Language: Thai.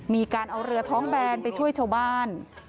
มีการเอาเรือท้องแบนไปช่วยชาวบ้าน